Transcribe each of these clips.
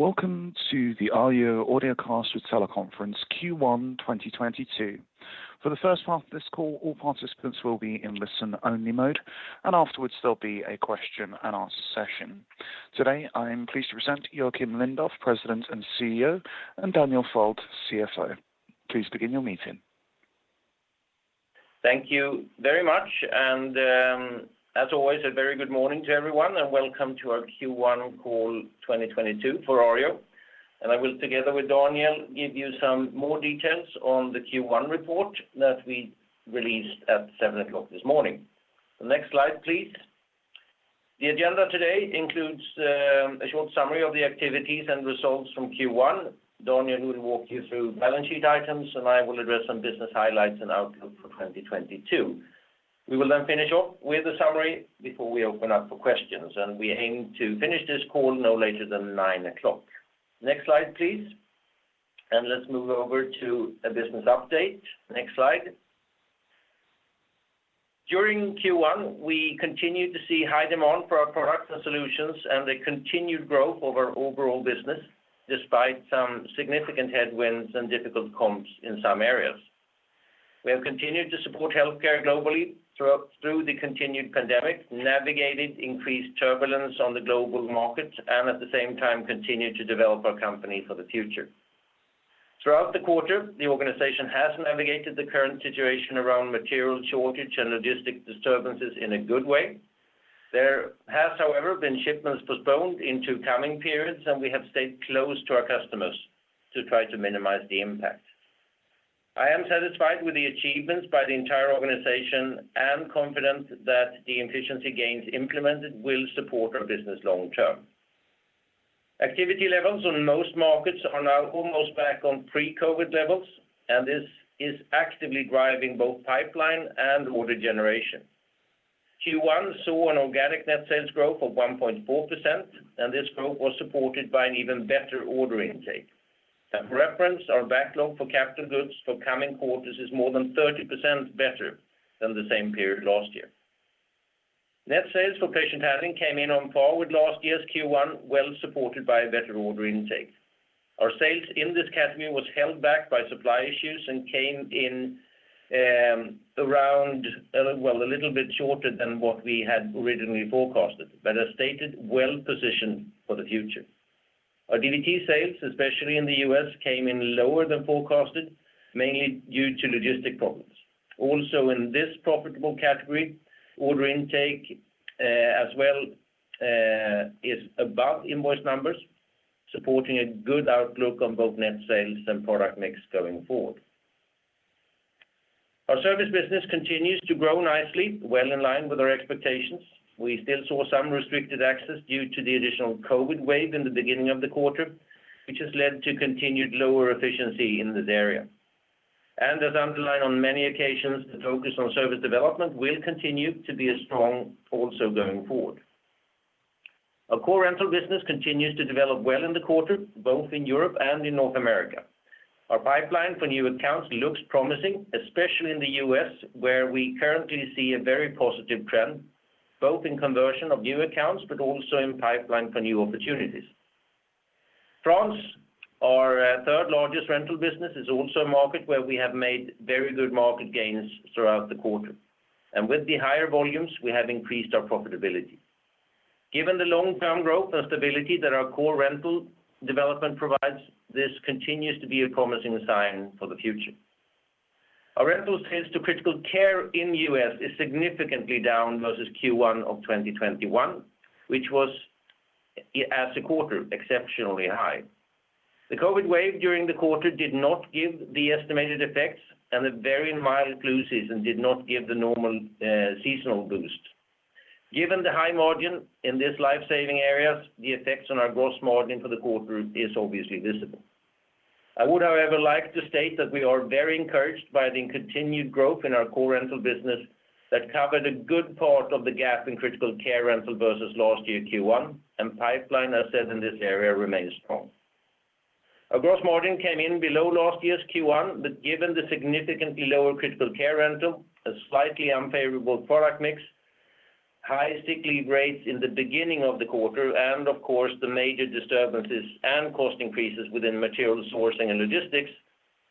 Welcome to the Arjo Audio Cast with Teleconference Q1 2022. For the first half of this call, all participants will be in listen-only mode, and afterwards, there'll be a question and answer session. Today, I am pleased to present Joacim Lindoff, President and CEO, and Daniel Fäldt, CFO. Please begin your meeting. Thank you very much. As always, a very good morning to everyone and welcome to our Q1 call 2022 for Arjo. I will, together with Daniel, give you some more details on the Q1 report that we released at seven o'clock this morning. The next slide, please. The agenda today includes a short summary of the activities and results from Q1. Daniel will walk you through balance sheet items, and I will address some business highlights and outlook for 2022. We will then finish off with a summary before we open up for questions, and we aim to finish this call no later than nine o'clock. Next slide, please. Let's move over to a business update. Next slide. During Q1, we continued to see high demand for our products and solutions and the continued growth of our overall business, despite some significant headwinds and difficult comps in some areas. We have continued to support healthcare globally through the continued pandemic, navigated increased turbulence on the global markets, and at the same time, continued to develop our company for the future. Throughout the quarter, the organization has navigated the current situation around material shortage and logistics disturbances in a good way. There has, however, been shipments postponed into coming periods, and we have stayed close to our customers to try to minimize the impact. I am satisfied with the achievements by the entire organization and confident that the efficiency gains implemented will support our business long term. Activity levels on most markets are now almost back on pre-COVID levels, and this is actively driving both pipeline and order generation. Q1 saw an organic net sales growth of 1.4%, and this growth was supported by an even better order intake. As reference, our backlog for capital goods for coming quarters is more than 30% better than the same period last year. Net sales for patient handling came in on par with last year's Q1, well supported by a better order intake. Our sales in this category was held back by supply issues and came in around a little bit shorter than what we had originally forecasted, but as stated, well-positioned for the future. Our DVT sales, especially in the U.S., came in lower than forecasted, mainly due to logistics problems. In this profitable category, order intake as well is above invoice numbers, supporting a good outlook on both net sales and product mix going forward. Our service business continues to grow nicely, well in line with our expectations. We still saw some restricted access due to the additional COVID wave in the beginning of the quarter, which has led to continued lower efficiency in this area. As underlined on many occasions, the focus on service development will continue to be strong also going forward. Our core rental business continues to develop well in the quarter, both in Europe and in North America. Our pipeline for new accounts looks promising, especially in the U.S., where we currently see a very positive trend, both in conversion of new accounts, but also in pipeline for new opportunities. France, our third largest rental business, is also a market where we have made very good market gains throughout the quarter. With the higher volumes, we have increased our profitability. Given the long-term growth and stability that our core rental development provides, this continues to be a promising sign for the future. Our rental sales to critical care in the U.S. is significantly down versus Q1 of 2021, which was, as a quarter, exceptionally high. The COVID wave during the quarter did not give the estimated effects, and the very mild flu season did not give the normal, seasonal boost. Given the high margin in this life-saving areas, the effects on our gross margin for the quarter is obviously visible. I would, however, like to state that we are very encouraged by the continued growth in our core rental business that covered a good part of the gap in critical care rental versus last year Q1, and pipeline assets in this area remain strong. Our gross margin came in below last year's Q1, but given the significantly lower critical care rental, a slightly unfavorable product mix, high sick leave rates in the beginning of the quarter, and of course, the major disturbances and cost increases within material sourcing and logistics,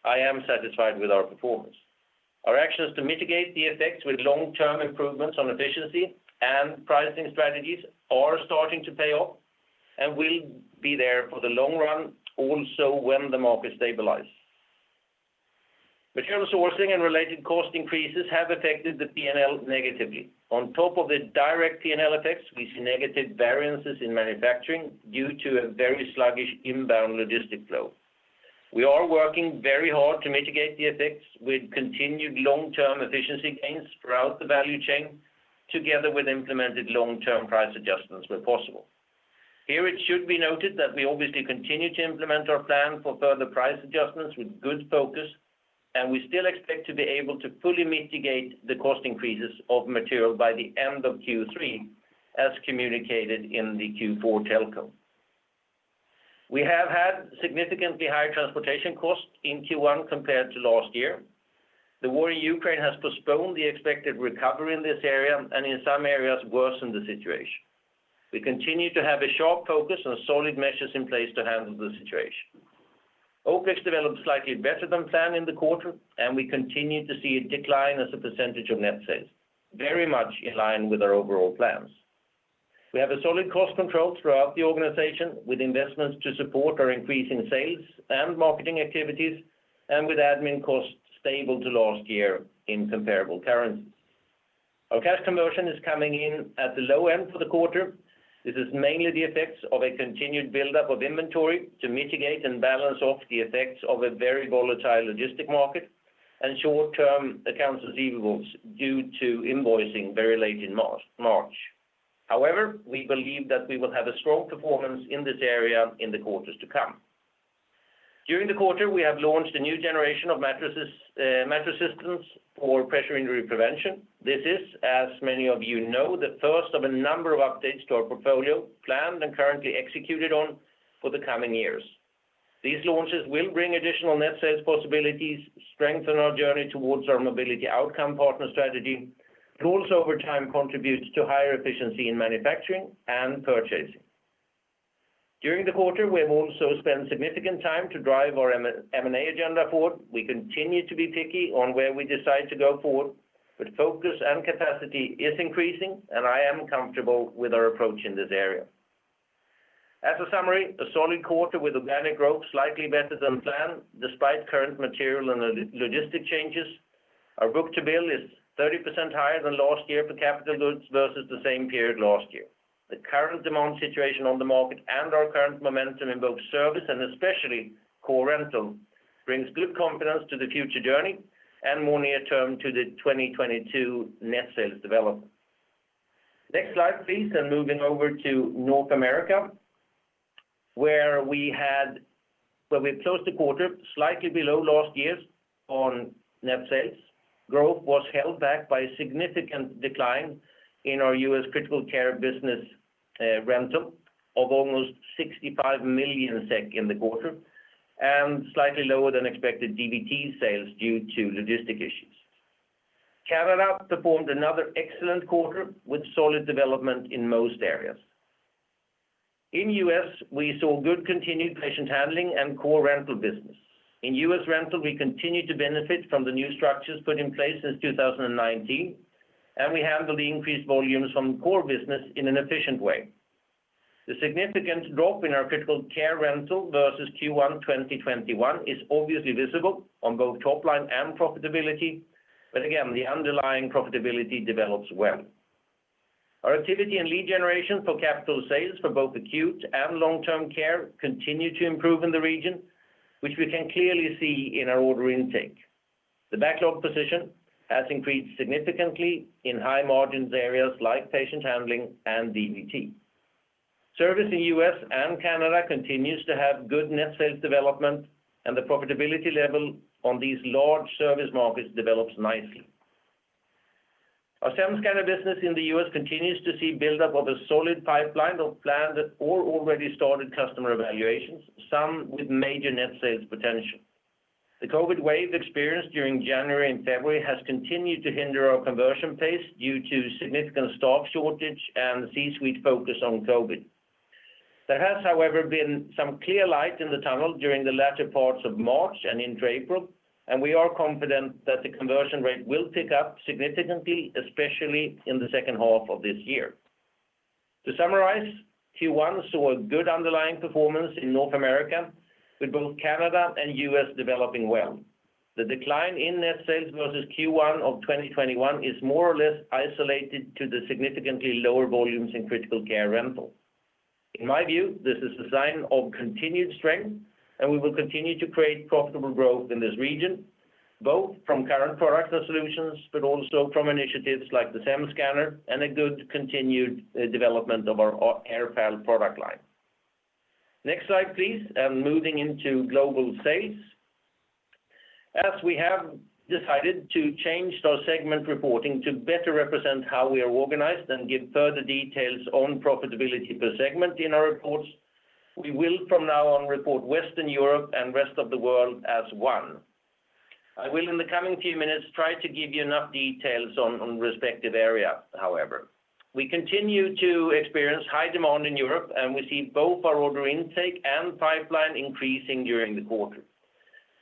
I am satisfied with our performance. Our actions to mitigate the effects with long-term improvements on efficiency and pricing strategies are starting to pay off and will be there for the long run also when the market stabilizes. Material sourcing and related cost increases have affected the P&L negatively. On top of the direct P&L effects, we see negative variances in manufacturing due to a very sluggish inbound logistics flow. We are working very hard to mitigate the effects with continued long-term efficiency gains throughout the value chain, together with implemented long-term price adjustments where possible. Here, it should be noted that we obviously continue to implement our plan for further price adjustments with good focus, and we still expect to be able to fully mitigate the cost increases of material by the end of Q3, as communicated in the Q4 telco. We have had significantly higher transportation costs in Q1 compared to last year. The war in Ukraine has postponed the expected recovery in this area, and in some areas worsened the situation. We continue to have a sharp focus on solid measures in place to handle the situation. OpEx developed slightly better than planned in the quarter, and we continue to see a decline as a percentage of net sales, very much in line with our overall plans. We have a solid cost control throughout the organization, with investments to support our increase in sales and marketing activities, and with admin costs stable to last year in comparable currency. Our cash conversion is coming in at the low end for the quarter. This is mainly the effects of a continued buildup of inventory to mitigate and balance off the effects of a very volatile logistics market and short-term accounts receivable due to invoicing very late in March. However, we believe that we will have a strong performance in this area in the quarters to come. During the quarter, we have launched a new generation of mattresses, mattress systems for pressure injury prevention. This is, as many of you know, the first of a number of updates to our portfolio planned and currently executed on for the coming years. These launches will bring additional net sales possibilities, strengthen our journey towards our mobility outcome partner strategy, and also over time contributes to higher efficiency in manufacturing and purchasing. During the quarter, we have also spent significant time to drive our M&A agenda forward. We continue to be picky on where we decide to go forward, but focus and capacity is increasing, and I am comfortable with our approach in this area. As a summary, a solid quarter with organic growth slightly better than planned despite current material and logistic changes. Our book-to-bill is 30% higher than last year for capital goods versus the same period last year. The current demand situation on the market and our current momentum in both service, and especially core rental, brings good confidence to the future journey and more near term to the 2022 net sales development. Next slide, please. Moving over to North America, where we closed the quarter slightly below last year’s on net sales. Growth was held back by a significant decline in our U.S. critical care business rental of almost 65 million SEK in the quarter and slightly lower than expected DVT sales due to logistics issues. Canada performed another excellent quarter with solid development in most areas. In U.S., we saw good continued patient handling and core rental business. In U.S. rental, we continued to benefit from the new structures put in place since 2019, and we handled the increased volumes from core business in an efficient way. The significant drop in our critical care rental versus Q1 2021 is obviously visible on both top line and profitability, but again, the underlying profitability develops well. Our activity and lead generation for capital sales for both acute and long-term care continue to improve in the region, which we can clearly see in our order intake. The backlog position has increased significantly in high margins areas like patient handling and DVT. Service in U.S. and Canada continues to have good net sales development, and the profitability level on these large service markets develops nicely. Our SEM scanner business in the U.S. continues to see buildup of a solid pipeline of planned or already started customer evaluations, some with major net sales potential. The COVID wave experienced during January and February has continued to hinder our conversion pace due to significant stock shortage and C-suite focus on COVID. There has, however, been some clear light in the tunnel during the latter parts of March and into April, and we are confident that the conversion rate will pick up significantly, especially in the second half of this year. To summarize, Q1 saw a good underlying performance in North America, with both Canada and U.S. developing well. The decline in net sales versus Q1 of 2021 is more or less isolated to the significantly lower volumes in critical care rental. In my view, this is a sign of continued strength, and we will continue to create profitable growth in this region, both from current products and solutions, but also from initiatives like the SEM Scanner and a good continued development of our AirPal product line. Next slide, please, and moving into global sales. As we have decided to change our segment reporting to better represent how we are organized and give further details on profitability per segment in our reports, we will from now on report Western Europe and rest of the world as one. I will, in the coming few minutes, try to give you enough details on respective area, however. We continue to experience high demand in Europe, and we see both our order intake and pipeline increasing during the quarter.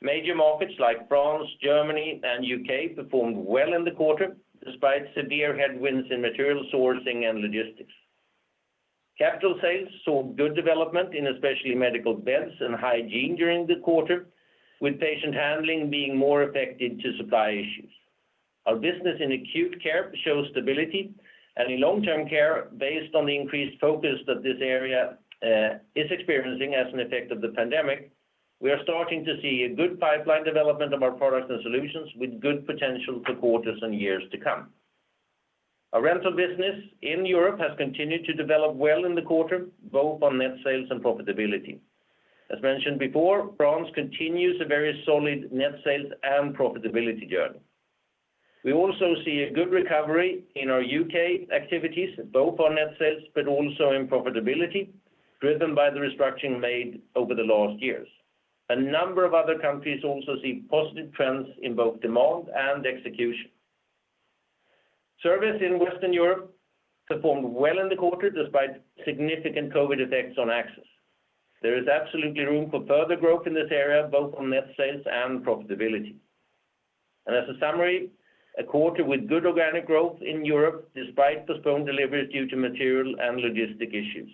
Major markets like France, Germany, and U.K. performed well in the quarter despite severe headwinds in material sourcing and logistics. Capital sales saw good development in especially medical beds and hygiene during the quarter, with patient handling being more affected by supply issues. Our business in acute care shows stability, and in long-term care, based on the increased focus that this area is experiencing as an effect of the pandemic, we are starting to see a good pipeline development of our products and solutions with good potential for quarters and years to come. Our rental business in Europe has continued to develop well in the quarter, both on net sales and profitability. As mentioned before, France continues a very solid net sales and profitability journey. We also see a good recovery in our U.K. activities, both on net sales but also in profitability, driven by the restructuring made over the last years. A number of other countries also see positive trends in both demand and execution. Service in Western Europe performed well in the quarter despite significant COVID effects on access. There is absolutely room for further growth in this area, both on net sales and profitability. As a summary, a quarter with good organic growth in Europe despite postponed deliveries due to material and logistics issues.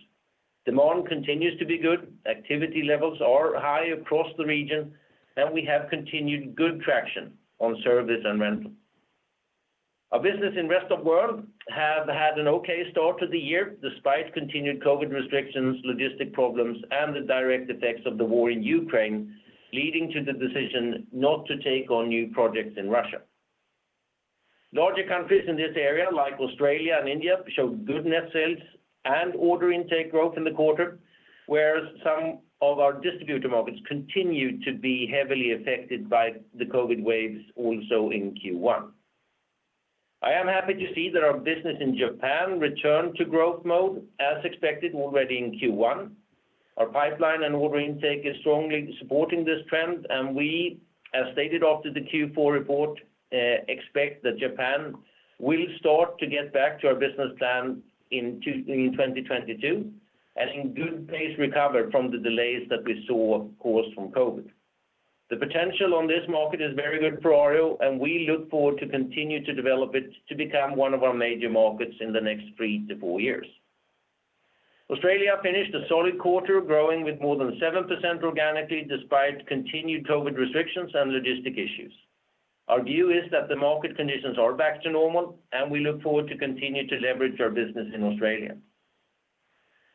Demand continues to be good, activity levels are high across the region, and we have continued good traction on service and rental. Our business in rest of world have had an okay start to the year despite continued COVID restrictions, logistic problems, and the direct effects of the war in Ukraine, leading to the decision not to take on new projects in Russia. Larger countries in this area, like Australia and India, showed good net sales and order intake growth in the quarter, whereas some of our distributor markets continued to be heavily affected by the COVID waves also in Q1. I am happy to see that our business in Japan returned to growth mode as expected already in Q1. Our pipeline and order intake is strongly supporting this trend, and we, as stated after the Q4 report, expect that Japan will start to get back to our business plan in 2022, and in good pace recover from the delays that we saw caused from COVID. The potential on this market is very good for Arjo, and we look forward to continue to develop it to become one of our major markets in the next 3-4 years. Australia finished a solid quarter growing with more than 7% organically despite continued COVID restrictions and logistic issues. Our view is that the market conditions are back to normal, and we look forward to continue to leverage our business in Australia.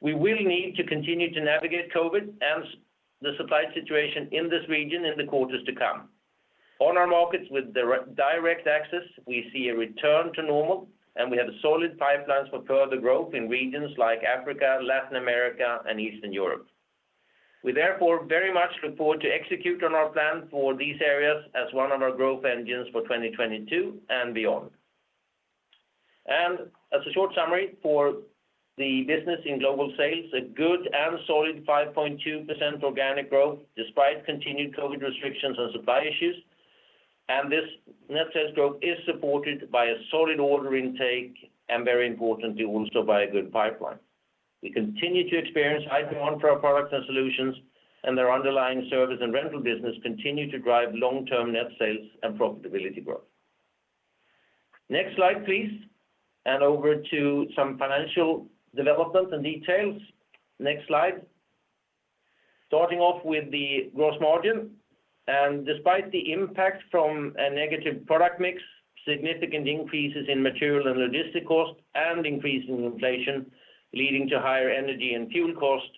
We will need to continue to navigate COVID and the supply situation in this region in the quarters to come. On our markets with direct access, we see a return to normal, and we have solid pipelines for further growth in regions like Africa, Latin America, and Eastern Europe. We therefore very much look forward to execute on our plan for these areas as one of our growth engines for 2022 and beyond. As a short summary for the business in global sales, a good and solid 5.2% organic growth despite continued COVID restrictions and supply issues. This net sales growth is supported by a solid order intake and very importantly, also by a good pipeline. We continue to experience high demand for our products and solutions, and their underlying service and rental business continue to drive long-term net sales and profitability growth. Next slide, please. Over to some financial developments and details. Next slide. Starting off with the gross margin, despite the impact from a negative product mix, significant increases in material and logistic costs, and increase in inflation leading to higher energy and fuel costs,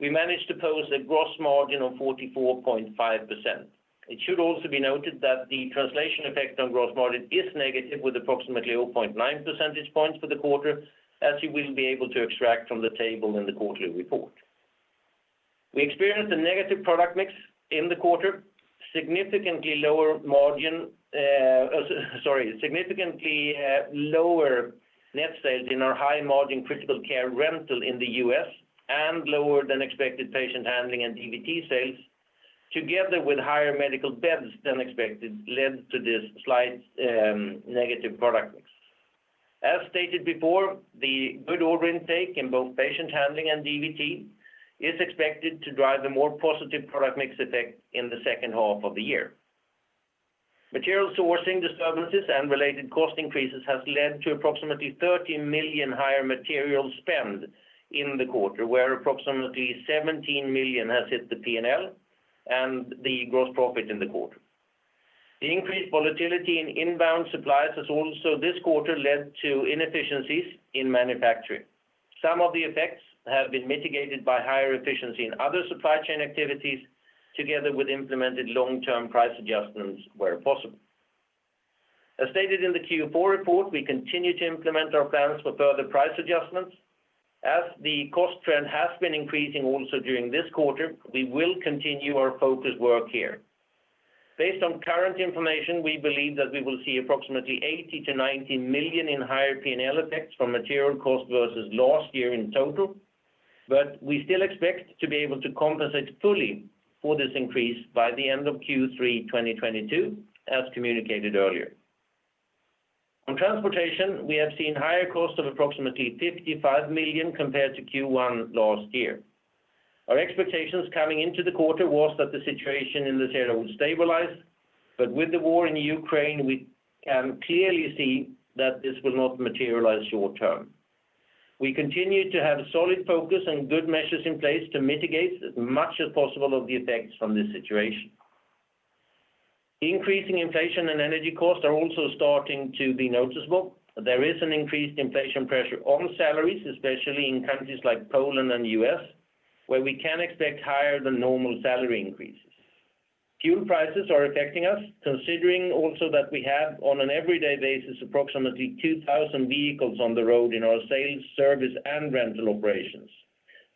we managed to post a gross margin of 44.5%. It should also be noted that the translation effect on gross margin is negative with approximately 0.9 percentage points for the quarter, as you will be able to extract from the table in the quarterly report. We experienced a negative product mix in the quarter, significantly lower net sales in our high margin critical care rental in the U.S. and lower than expected patient handling and DVT sales, together with higher medical beds than expected led to this slight negative product mix. As stated before, the good order intake in both patient handling and DVT is expected to drive the more positive product mix effect in the second half of the year. Material sourcing disturbances and related cost increases has led to approximately 30 million higher material spend in the quarter, where approximately 17 million has hit the P&L and the gross profit in the quarter. The increased volatility in inbound supplies has also this quarter led to inefficiencies in manufacturing. Some of the effects have been mitigated by higher efficiency in other supply chain activities together with implemented long-term price adjustments where possible. As stated in the Q4 report, we continue to implement our plans for further price adjustments. As the cost trend has been increasing also during this quarter, we will continue our focused work here. Based on current information, we believe that we will see approximately 80 million-90 million in higher P&L effects from material cost versus last year in total, but we still expect to be able to compensate fully for this increase by the end of Q3 2022, as communicated earlier. On transportation, we have seen higher costs of approximately 55 million compared to Q1 last year. Our expectations coming into the quarter was that the situation in this area would stabilize, but with the war in Ukraine, we can clearly see that this will not materialize short term. We continue to have solid focus and good measures in place to mitigate as much as possible of the effects from this situation. Increasing inflation and energy costs are also starting to be noticeable. There is an increased inflation pressure on salaries, especially in countries like Poland and U.S., where we can expect higher than normal salary increases. Fuel prices are affecting us, considering also that we have, on an everyday basis, approximately 2,000 vehicles on the road in our sales, service, and rental operations.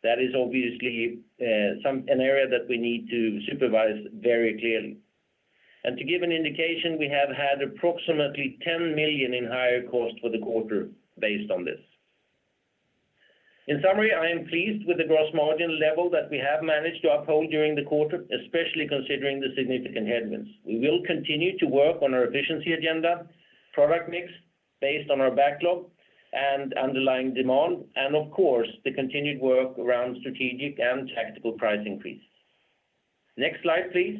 That is obviously an area that we need to supervise very clearly. To give an indication, we have had approximately 10 million in higher cost for the quarter based on this. In summary, I am pleased with the gross margin level that we have managed to uphold during the quarter, especially considering the significant headwinds. We will continue to work on our efficiency agenda, product mix based on our backlog and underlying demand, and of course, the continued work around strategic and tactical price increase. Next slide, please.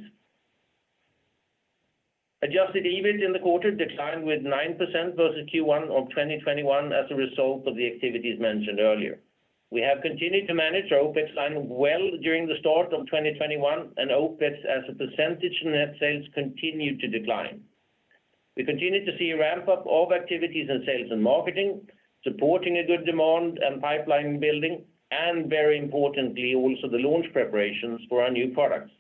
Adjusted EBIT in the quarter declined 9% versus Q1 of 2021 as a result of the activities mentioned earlier. We have continued to manage our OpEx line well during the start of 2021, and OpEx as a percentage of net sales continued to decline. We continue to see a ramp-up of activities in sales and marketing, supporting a good demand and pipeline building, and very importantly, also the launch preparations for our new products.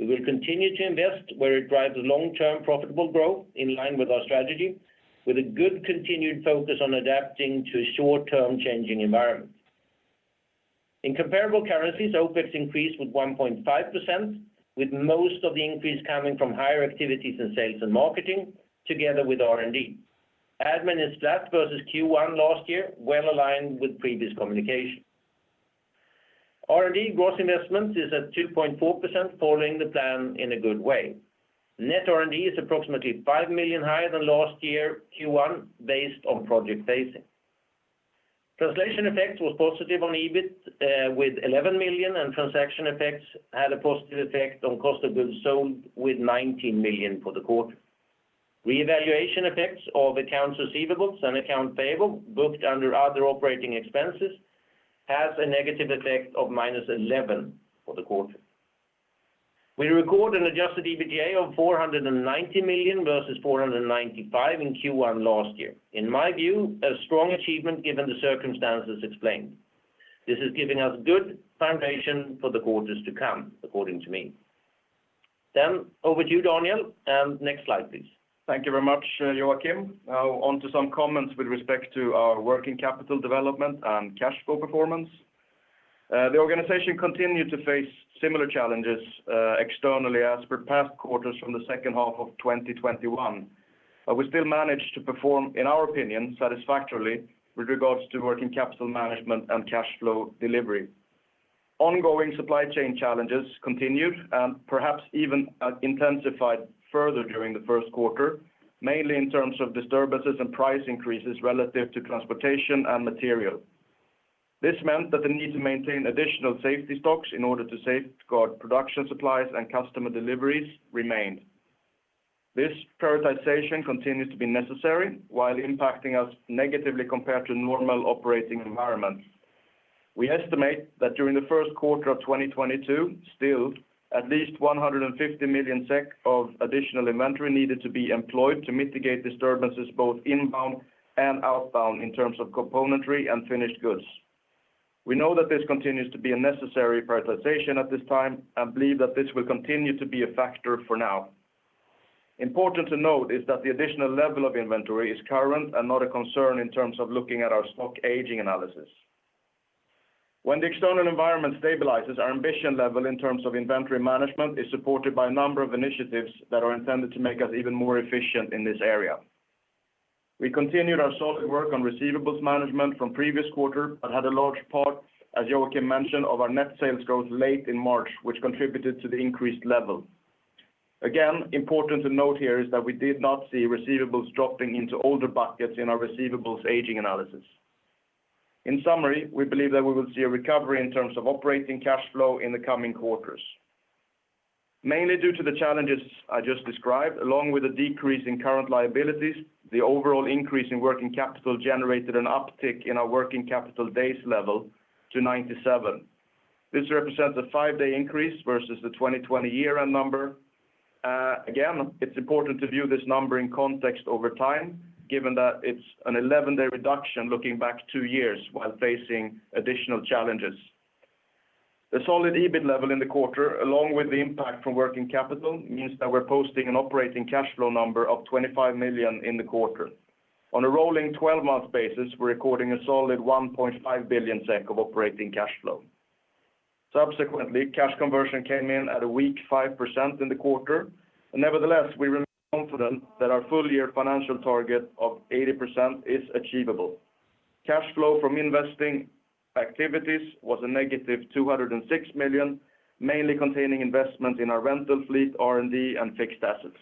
We will continue to invest where it drives long-term profitable growth in line with our strategy, with a good continued focus on adapting to a short-term changing environment. In comparable currencies, OpEx increased 1.5%, with most of the increase coming from higher activities in sales and marketing together with R&D. Admin is flat versus Q1 last year, well aligned with previous communication. R&D gross investment is at 2.4%, following the plan in a good way. Net R&D is approximately 5 million higher than last year Q1 based on project phasing. Translation effect was positive on EBIT with 11 million, and transaction effects had a positive effect on cost of goods sold with 19 million for the quarter. Revaluation effects of accounts receivable and accounts payable booked under other operating expenses has a negative effect of -11 million for the quarter. We record an adjusted EBITDA of 490 million versus 495 million in Q1 last year. In my view, a strong achievement given the circumstances explained. This is giving us good foundation for the quarters to come, according to me. Over to you, Daniel. Next slide, please. Thank you very much, Joacim. Now on to some comments with respect to our working capital development and cash flow performance. The organization continued to face similar challenges externally as per past quarters from the second half of 2021. We still managed to perform, in our opinion, satisfactorily with regards to working capital management and cash flow delivery. Ongoing supply chain challenges continued and perhaps even intensified further during the first quarter, mainly in terms of disturbances and price increases relative to transportation and material. This meant that the need to maintain additional safety stocks in order to safeguard production supplies and customer deliveries remained. This prioritization continued to be necessary while impacting us negatively compared to normal operating environments. We estimate that during the first quarter of 2022, still at least 150 million SEK of additional inventory needed to be employed to mitigate disturbances both inbound and outbound in terms of componentry and finished goods. We know that this continues to be a necessary prioritization at this time and believe that this will continue to be a factor for now. Important to note is that the additional level of inventory is current and not a concern in terms of looking at our stock aging analysis. When the external environment stabilizes, our ambition level in terms of inventory management is supported by a number of initiatives that are intended to make us even more efficient in this area. We continued our solid work on receivables management from previous quarter, but had a large part, as Joacim mentioned, of our net sales growth late in March, which contributed to the increased level. Again, important to note here is that we did not see receivables dropping into older buckets in our receivables aging analysis. In summary, we believe that we will see a recovery in terms of operating cash flow in the coming quarters. Mainly due to the challenges I just described, along with a decrease in current liabilities, the overall increase in working capital generated an uptick in our working capital days level to 97. This represents a 5-day increase versus the 2020 year-end number. Again, it's important to view this number in context over time, given that it's an 11-day reduction looking back two years while facing additional challenges. The solid EBIT level in the quarter, along with the impact from working capital, means that we're posting an operating cash flow of 25 million in the quarter. On a rolling twelve-month basis, we're recording a solid 1.5 billion SEK of operating cash flow. Subsequently, cash conversion came in at a weak 5% in the quarter. Nevertheless, we remain confident that our full year financial target of 80% is achievable. Cash flow from investing activities was -206 million, mainly containing investment in our rental fleet, R&D, and fixed assets.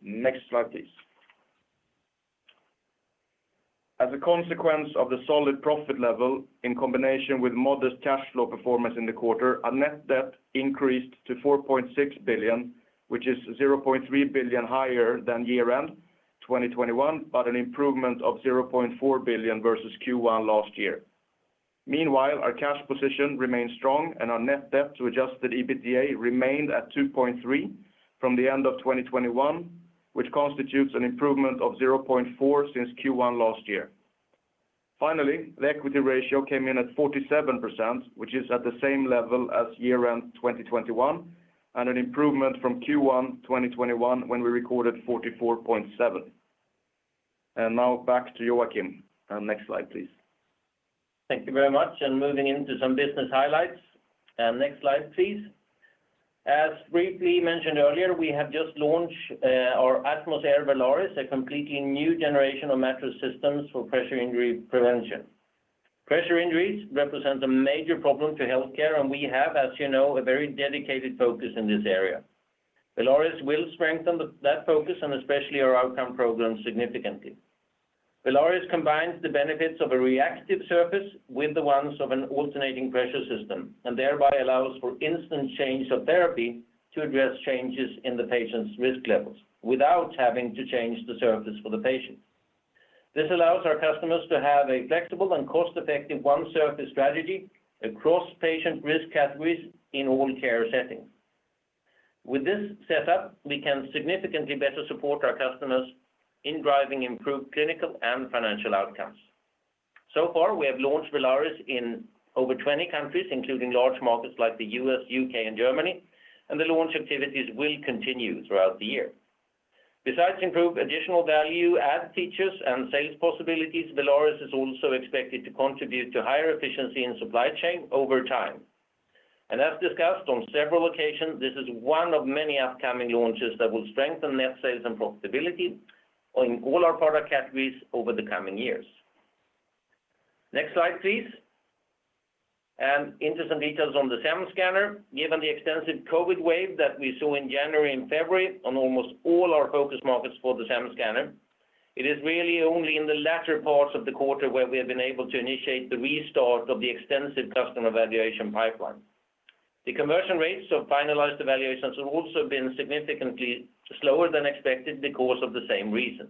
Next slide, please. As a consequence of the solid profit level in combination with modest cash flow performance in the quarter, our net debt increased to 4.6 billion, which is 0.3 billion higher than year-end 2021, but an improvement of 0.4 billion versus Q1 last year. Meanwhile, our cash position remains strong, and our net debt to adjusted EBITDA remained at 2.3 from the end of 2021, which constitutes an improvement of 0.4 since Q1 last year. Finally, the equity ratio came in at 47%, which is at the same level as year-end 2021, and an improvement from Q1 2021 when we recorded 44.7. Now back to Joacim. Next slide, please. Thank you very much, and moving into some business highlights. Next slide, please. As briefly mentioned earlier, we have just launched our AtmosAir Velaris, a completely new generation of mattress systems for pressure injury prevention. Pressure injuries represent a major problem to healthcare, and we have, as you know, a very dedicated focus in this area. Velaris will strengthen that focus and especially our outcome program significantly. Velaris combines the benefits of a reactive surface with the ones of an alternating pressure system and thereby allows for instant change of therapy to address changes in the patient's risk levels without having to change the surface for the patient. This allows our customers to have a flexible and cost-effective one surface strategy across patient risk categories in all care settings. With this setup, we can significantly better support our customers in driving improved clinical and financial outcomes. So far, we have launched Velaris in over 20 countries, including large markets like the U.S., U.K., and Germany, and the launch activities will continue throughout the year. Besides improved additional value, added features, and sales possibilities, Velaris is also expected to contribute to higher efficiency in supply chain over time. As discussed on several occasions, this is one of many upcoming launches that will strengthen net sales and profitability in all our product categories over the coming years. Next slide, please. Into some details on the SEM Scanner. Given the extensive COVID wave that we saw in January and February on almost all our focus markets for the SEM Scanner, it is really only in the latter parts of the quarter where we have been able to initiate the restart of the extensive customer evaluation pipeline. The conversion rates of finalized evaluations have also been significantly slower than expected because of the same reason.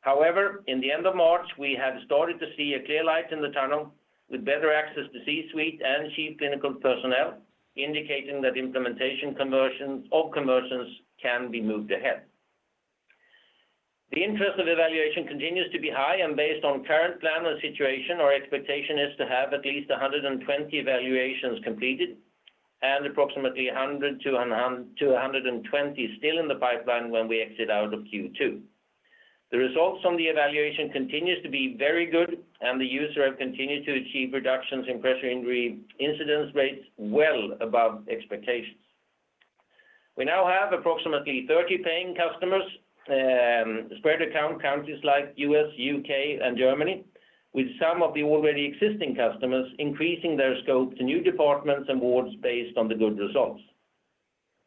However, in the end of March, we have started to see a clear light in the tunnel with better access to C-suite and chief clinical personnel, indicating that implementation conversions or conversions can be moved ahead. The interest of evaluation continues to be high, and based on current plan or situation, our expectation is to have at least 120 evaluations completed and approximately 100 to 120 still in the pipeline when we exit out of Q2. The results from the evaluation continues to be very good, and the user have continued to achieve reductions in pressure injury incidence rates well above expectations. We now have approximately 30 paying customers, spread across countries like U.S., U.K., and Germany, with some of the already existing customers increasing their scope to new departments and wards based on the good results.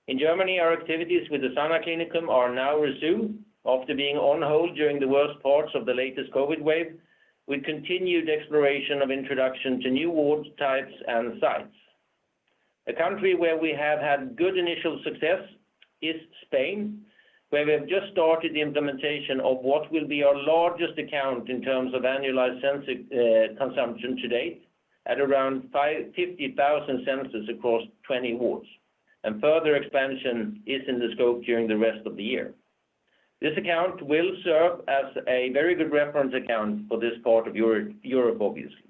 In Germany, our activities with the Sana Kliniken are now resumed after being on hold during the worst parts of the latest COVID wave with continued exploration of introduction to new ward types and sites. A country where we have had good initial success is Spain, where we have just started the implementation of what will be our largest account in terms of annualized sensor consumption to date at around 50,000 sensors across 20 wards. Further expansion is in the scope during the rest of the year. This account will serve as a very good reference account for this part of Europe, obviously.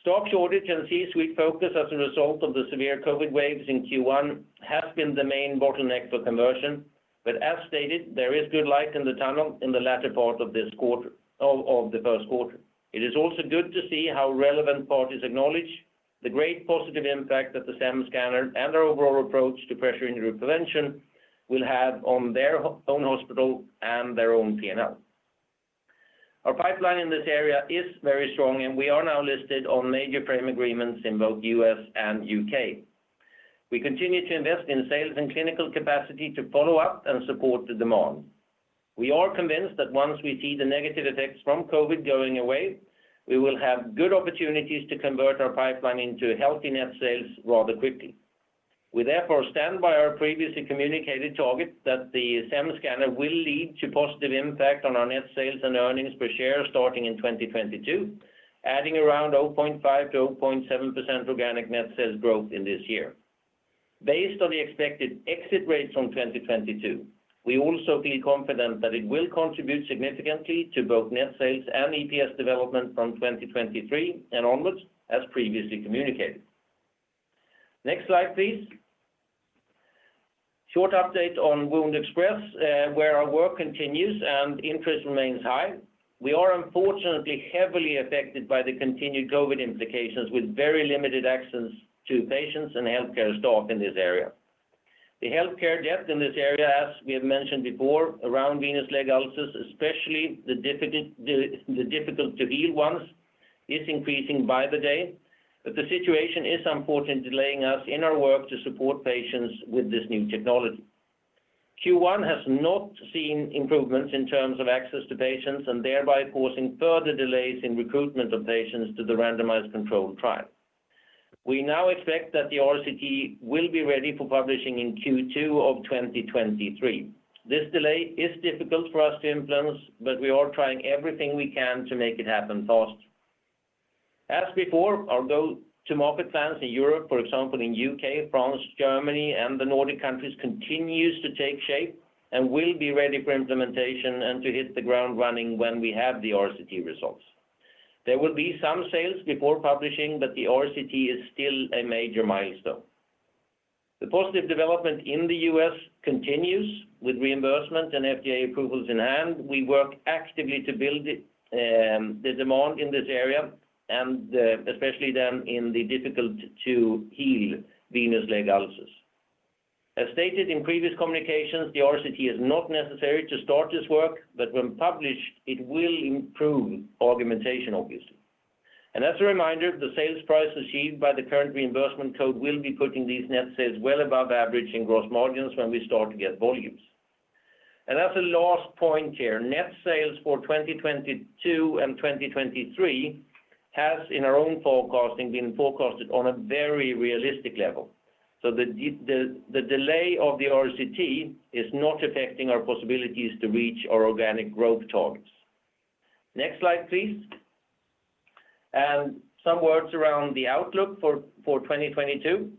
Stock shortage and C-suite focus as a result of the severe COVID waves in Q1 has been the main bottleneck for conversion. As stated, there is good light in the tunnel in the latter part of the first quarter. It is also good to see how relevant parties acknowledge the great positive impact that the SEM scanner and our overall approach to pressure injury prevention will have on their own hospital and their own P&L. Our pipeline in this area is very strong, and we are now listed on major frame agreements in both U.S. and U.K. We continue to invest in sales and clinical capacity to follow up and support the demand. We are convinced that once we see the negative effects from COVID going away, we will have good opportunities to convert our pipeline into healthy net sales rather quickly. We therefore stand by our previously communicated target that the SEM scanner will lead to positive impact on our net sales and earnings per share starting in 2022, adding around 0.5%-0.7% organic net sales growth in this year. Based on the expected exit rates from 2022, we also feel confident that it will contribute significantly to both net sales and EPS development from 2023 and onwards, as previously communicated. Next slide, please. Short update on WoundExpress, where our work continues and interest remains high. We are unfortunately heavily affected by the continued COVID implications with very limited access to patients and healthcare staff in this area. The healthcare depth in this area, as we have mentioned before, around venous leg ulcers, especially the difficult to heal ones, is increasing by the day. The situation is unfortunately delaying us in our work to support patients with this new technology. Q1 has not seen improvements in terms of access to patients and thereby causing further delays in recruitment of patients to the randomized controlled trial. We now expect that the RCT will be ready for publishing in Q2 of 2023. This delay is difficult for us to influence, but we are trying everything we can to make it happen fast. As before, our go-to-market plans in Europe, for example, in U.K., France, Germany, and the Nordic countries, continues to take shape and will be ready for implementation and to hit the ground running when we have the RCT results. There will be some sales before publishing, but the RCT is still a major milestone. The positive development in the U.S. continues with reimbursement and FDA approvals in hand. We work actively to build the demand in this area, and especially then in the difficult to heal venous leg ulcers. As stated in previous communications, the RCT is not necessary to start this work, but when published, it will improve argumentation obviously. As a reminder, the sales price received by the current reimbursement code will be putting these net sales well above average in gross margins when we start to get volumes. As a last point here, net sales for 2022 and 2023 has in our own forecasting been forecasted on a very realistic level. So the delay of the RCT is not affecting our possibilities to reach our organic growth targets. Next slide, please. Some words around the outlook for 2022.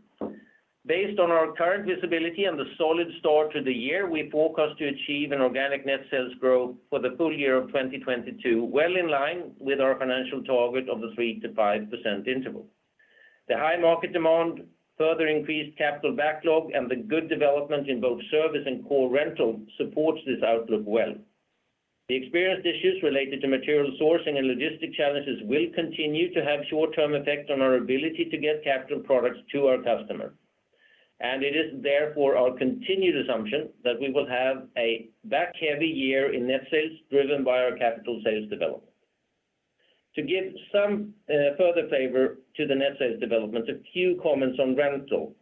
Based on our current visibility and the solid start to the year, we forecast to achieve an organic net sales growth for the full year of 2022, well in line with our financial target of the 3%-5% interval. The high market demand further increased capital backlog and the good development in both service and core rental supports this outlook well. The experienced issues related to material sourcing and logistics challenges will continue to have short term effects on our ability to get capital products to our customer. It is therefore our continued assumption that we will have a back-heavy year in net sales driven by our capital sales development. To give some further flavor to the net sales development, a few comments on rental.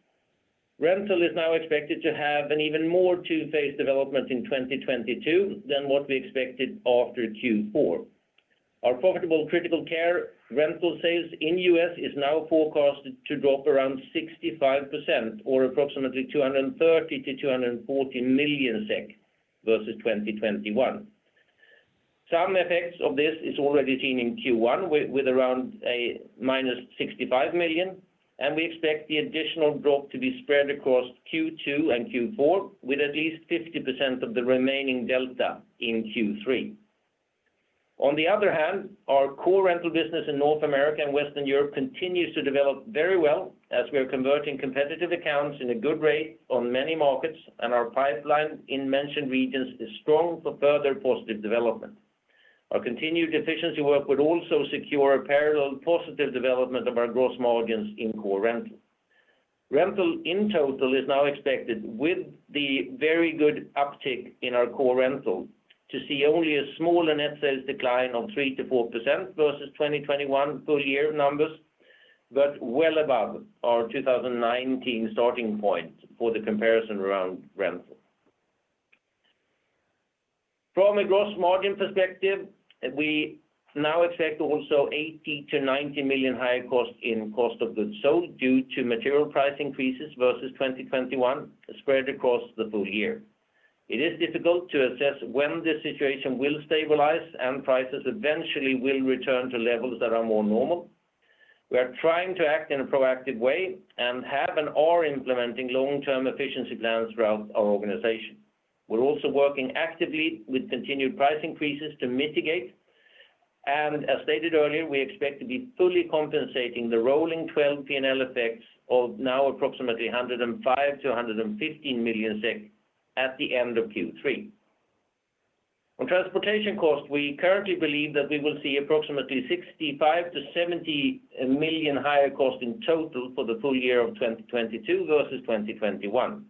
Rental is now expected to have an even more two-phase development in 2022 than what we expected after Q4. Our profitable critical care rental sales in U.S. is now forecasted to drop around 65% or approximately 230 million-240 million SEK versus 2021. Some effects of this is already seen in Q1 with around -65 million, and we expect the additional drop to be spread across Q2 and Q4, with at least 50% of the remaining delta in Q3. On the other hand, our core rental business in North America and Western Europe continues to develop very well as we are converting competitive accounts in a good rate on many markets, and our pipeline in mentioned regions is strong for further positive development. Our continued efficiency work would also secure a parallel positive development of our gross margins in core rental. Rental in total is now expected with the very good uptick in our core rental to see only a small net sales decline of 3%-4% versus 2021 full year numbers, but well above our 2019 starting point for the comparison around rental. From a gross margin perspective, we now expect also 80 million-90 million higher cost in cost of goods sold due to material price increases versus 2021 spread across the full year. It is difficult to assess when this situation will stabilize and prices eventually will return to levels that are more normal. We are trying to act in a proactive way and have and are implementing long-term efficiency plans throughout our organization. We're also working actively with continued price increases to mitigate. As stated earlier, we expect to be fully compensating the rolling twelve P&L effects of now approximately 105 million-115 million SEK at the end of Q3. On transportation costs, we currently believe that we will see approximately 65 million-70 million higher cost in total for the full year of 2022 versus 2021,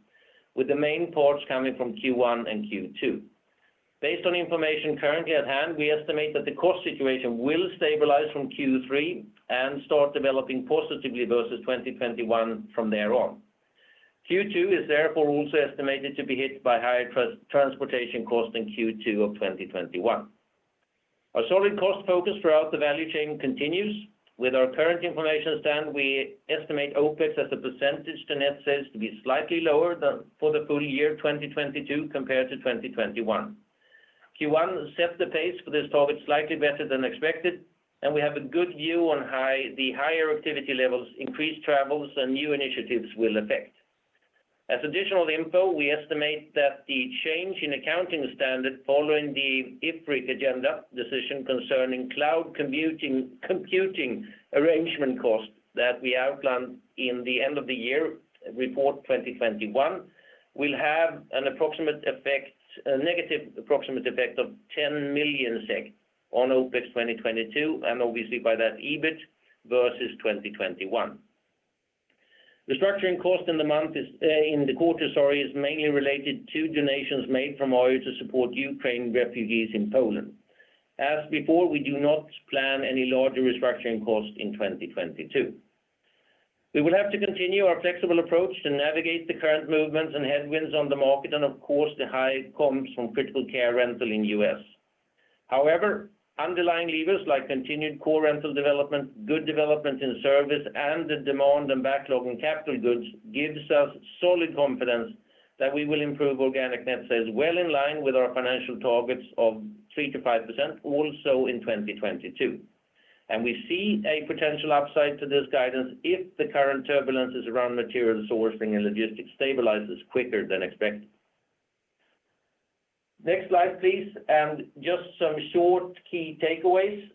with the main parts coming from Q1 and Q2. Based on information currently at hand, we estimate that the cost situation will stabilize from Q3 and start developing positively versus 2021 from there on. Q2 is therefore also estimated to be hit by higher transportation costs in Q2 of 2021. Our solid cost focus throughout the value chain continues. With our current information stand, we estimate OpEx as a percentage to net sales to be slightly lower than for the full year 2022 compared to 2021. Q1 set the pace for this target slightly better than expected, and we have a good view on the higher activity levels, increased travels, and new initiatives will affect. As additional info, we estimate that the change in accounting standard following the IFRIC agenda decision concerning cloud computing arrangement costs that we outlined in the end-of-year report 2021 will have a negative approximate effect of 10 million SEK on OpEx 2022, and obviously by that EBIT versus 2021. The structuring cost in the quarter is mainly related to donations made from Arjo to support Ukrainian refugees in Poland. As before, we do not plan any larger restructuring costs in 2022. We will have to continue our flexible approach to navigate the current movements and headwinds on the market, and of course, the high comes from critical care rental in U.S. However, underlying levers like continued core rental development, good development in service, and the demand and backlog in capital goods gives us solid confidence that we will improve organic net sales well in line with our financial targets of 3%-5% also in 2022. We see a potential upside to this guidance if the current turbulence around material sourcing and logistics stabilizes quicker than expected. Next slide, please. Just some short key takeaways.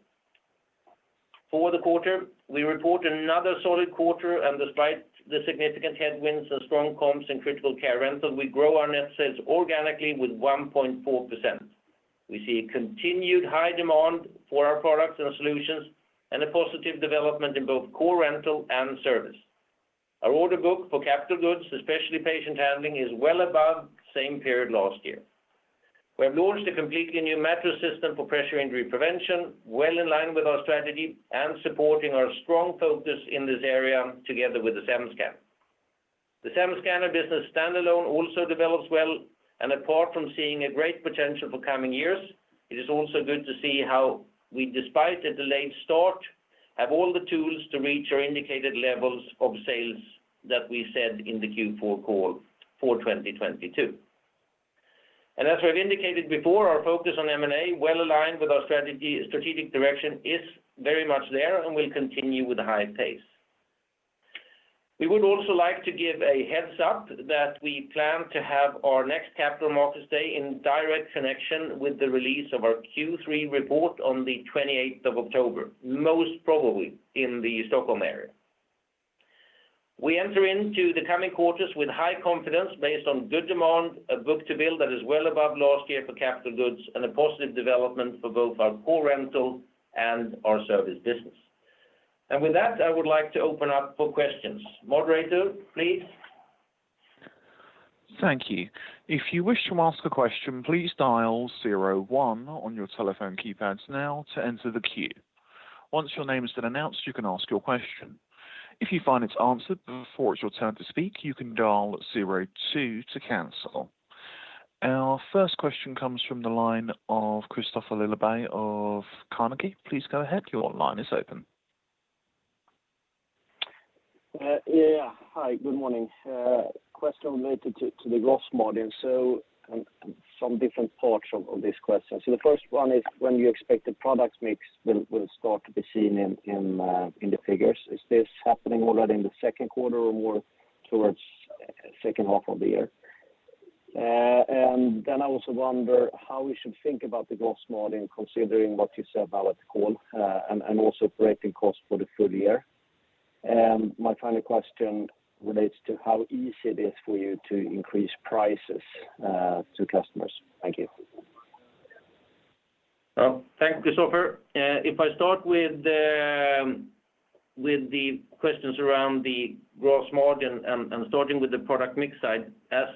For the quarter, we report another solid quarter and despite the significant headwinds as strong comps in critical care rental, we grow our net sales organically with 1.4%. We see a continued high demand for our products and solutions and a positive development in both core rental and service. Our order book for capital goods, especially patient handling, is well above same period last year. We have launched a completely new mattress system for pressure injury prevention, well in line with our strategy and supporting our strong focus in this area together with the SEM Scanner. The SEM Scanner business standalone also develops well, and apart from seeing a great potential for coming years, it is also good to see how we, despite a delayed start, have all the tools to reach our indicated levels of sales that we said in the Q4 call for 2022. As we've indicated before, our focus on M&A, well aligned with our strategic direction, is very much there and will continue with a high pace. We would also like to give a heads up that we plan to have our next Capital Markets Day in direct connection with the release of our Q3 report on the 28th of October, most probably in the Stockholm area. We enter into the coming quarters with high confidence based on good demand, a book-to-bill that is well above last year for capital goods and a positive development for both our core rental and our service business. With that, I would like to open up for questions. Moderator, please. Thank you. If you wish to ask a question, please dial zero one on your telephone keypads now to enter the queue. Once your name has been announced, you can ask your question. If you find it's answered before it's your turn to speak, you can dial zero two to cancel. Our first question comes from the line of Kristofer Liljeberg of Carnegie. Please go ahead. Your line is open. Yeah. Hi, good morning. Question related to the gross margin. Some different parts of this question. The first one is when you expect the products mix will start to be seen in the figures. Is this happening already in the second quarter or more towards second half of the year? Then I also wonder how we should think about the gross margin considering what you said about the call, and also breaking costs for the full year. My final question relates to how easy it is for you to increase prices to customers. Thank you. Well, thank you, Christopher. If I start with the questions around the gross margin and starting with the product mix side, as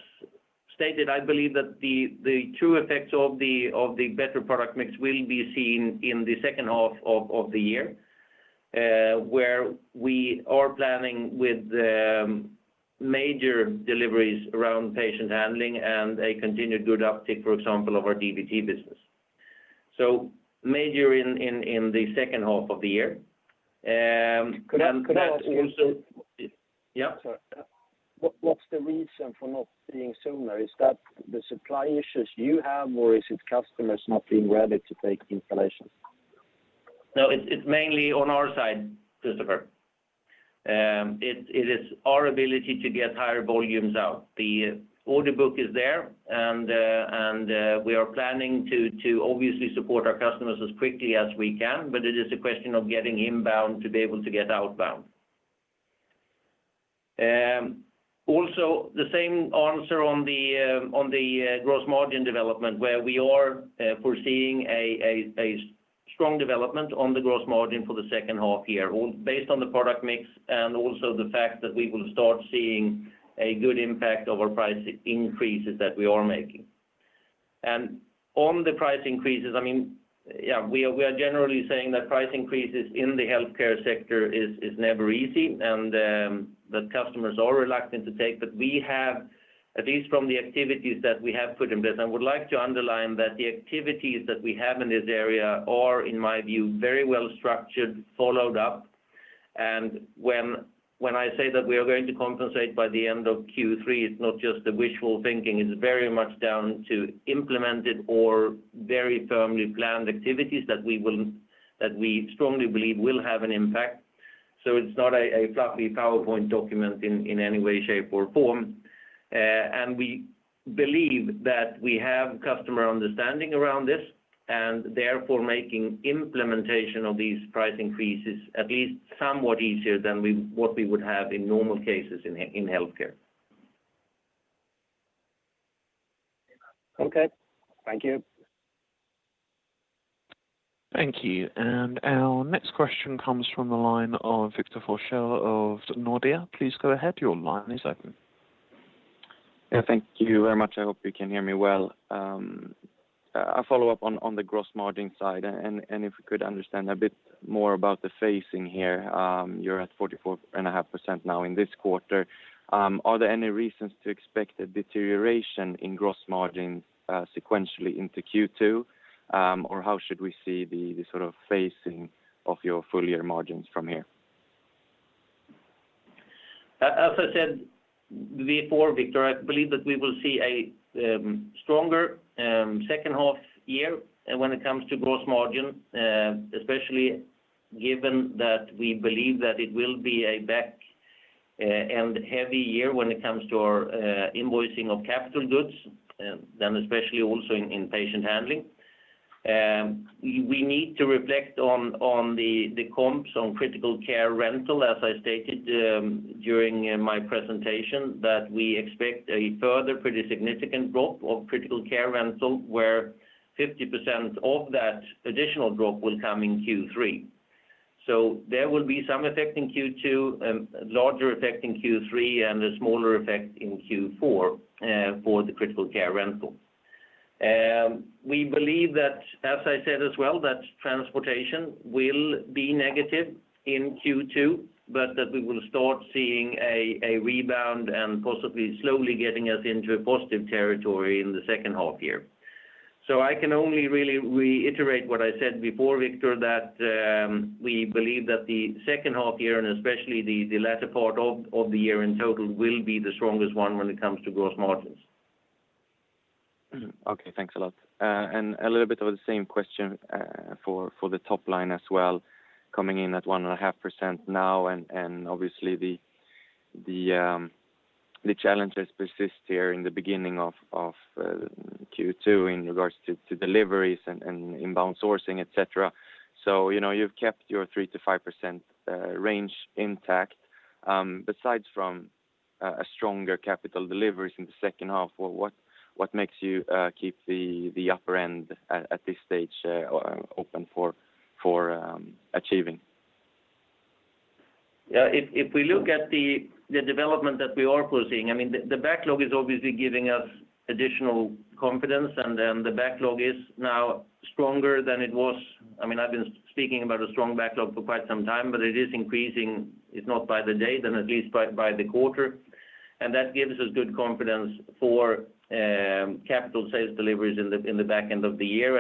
stated, I believe that the true effects of the better product mix will be seen in the second half of the year, where we are planning with major deliveries around patient handling and a continued good uptick, for example, of our DVT business. Major in the second half of the year. That also- Could I also? Yeah. Sorry. What's the reason for not seeing sooner? Is that the supply issues you have, or is it customers not being ready to take installations? No, it's mainly on our side, Christopher. It is our ability to get higher volumes out. The order book is there, and we are planning to obviously support our customers as quickly as we can, but it is a question of getting inbound to be able to get outbound. Also the same answer on the gross margin development, where we are foreseeing a strong development on the gross margin for the second half year, all based on the product mix and also the fact that we will start seeing a good impact of our price increases that we are making. On the price increases, I mean, yeah, we are generally saying that price increases in the healthcare sector is never easy and the customers are reluctant to take. We have, at least from the activities that we have put in place, I would like to underline that the activities that we have in this area are, in my view, very well structured, followed up. When I say that we are going to compensate by the end of Q3, it's not just the wishful thinking. It's very much down to implemented or very firmly planned activities that we strongly believe will have an impact. It's not a fluffy PowerPoint document in any way, shape, or form. We believe that we have customer understanding around this and therefore making implementation of these price increases at least somewhat easier than what we would have in normal cases in healthcare. Okay. Thank you. Thank you. Our next question comes from the line of Victor Forssell of Nordea. Please go ahead. Your line is open. Yeah, thank you very much. I hope you can hear me well. A follow-up on the gross margin side, and if we could understand a bit more about the phasing here. You're at 44.5% now in this quarter. Are there any reasons to expect a deterioration in gross margins sequentially into Q2? Or how should we see the sort of phasing of your full year margins from here? As I said before, Victor, I believe that we will see a stronger second half year when it comes to gross margin, especially given that we believe that it will be a back-end heavy year when it comes to our invoicing of capital goods, then especially also in patient handling. We need to reflect on the comps on critical care rental, as I stated during my presentation, that we expect a further pretty significant drop of critical care rental, where 50% of that additional drop will come in Q3. There will be some effect in Q2, larger effect in Q3, and a smaller effect in Q4, for the critical care rental. We believe that, as I said as well, that transportation will be negative in Q2, but that we will start seeing a rebound and possibly slowly getting us into a positive territory in the second half year. I can only really reiterate what I said before, Victor, that we believe that the second half year and especially the latter part of the year in total will be the strongest one when it comes to gross margins. Okay, thanks a lot. And a little bit of the same question for the top line as well, coming in at 1.5% now, and obviously the challenges persist here in the beginning of Q2 in regards to deliveries and inbound sourcing, et cetera. You know, you've kept your 3%-5% range intact. Besides from a stronger capital deliveries in the second half, what makes you keep the upper end at this stage open for achieving? Yeah. If we look at the development that we are foreseeing, I mean, the backlog is obviously giving us additional confidence, and then the backlog is now stronger than it was. I mean, I've been speaking about a strong backlog for quite some time, but it is increasing, if not by the day, then at least by the quarter. That gives us good confidence for capital sales deliveries in the back end of the year.